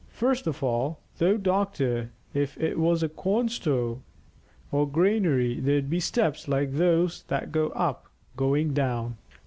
First of all, though, doctor, if it was a corn store or granary there'd be steps like those that go up, going down."